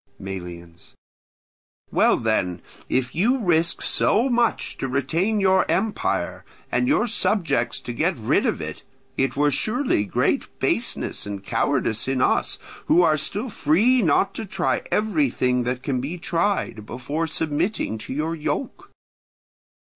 Melians. Well then, if you risk so much to retain your empire, and your subjects to get rid of it, it were surely great baseness and cowardice in us who are still free not to try everything that can be tried, before submitting to your yoke.